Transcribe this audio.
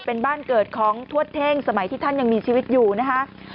เป็นบ้านเกิดของทวดเท่งสมัยที่ท่านยังมีชีวิตอยู่นะคะ